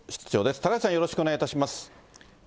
高橋さん、よろしくお願いいたします。